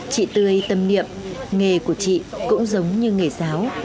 chị tươi tâm niệm nghề của chị cũng giống như nghề giáo